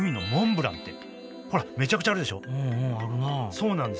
そうなんです。